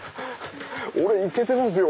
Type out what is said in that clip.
俺イケてますよ。